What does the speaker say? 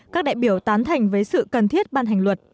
các đại biểu tán thành với sự cần thiết ban hành luật